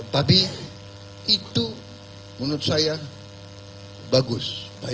tapi itu menurut saya bagus